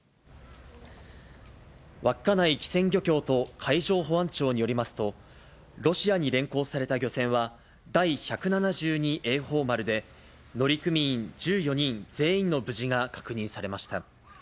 稚内機船漁協と海上保安庁によりますと、ロシアに連行された漁船は、第１７２栄寶丸で、乗組員１４人全員の無事が確認されました。